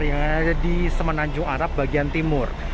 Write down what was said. yang ada di semenanjung arab bagian timur